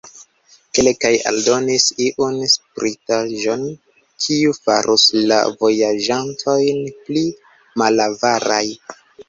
Kelkaj aldonis iun spritaĵon, kiu farus la vojaĝantojn pli malavaraj.